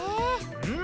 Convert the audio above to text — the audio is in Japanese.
うん！